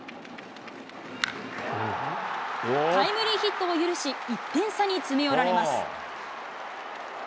タイムリーヒットを許し、１点差に詰め寄られます。